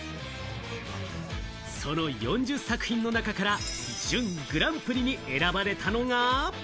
その４０作品の中から準グランプリに選ばれたのが。